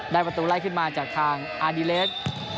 ประตูไล่ขึ้นมาจากทางอาดิเลส